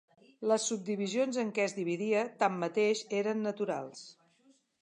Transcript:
Les subdivisions en què es dividia, tanmateix, eren naturals.